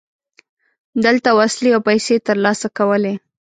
دلته وسلې او پیسې ترلاسه کولې.